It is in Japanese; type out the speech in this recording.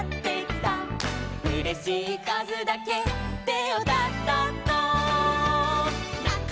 「うれしいかずだけてをたたこ」